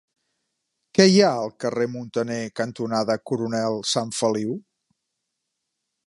Què hi ha al carrer Muntaner cantonada Coronel Sanfeliu?